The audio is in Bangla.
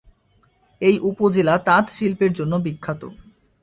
এই উপজেলা তাঁত শিল্পের জন্য বিখ্যাত।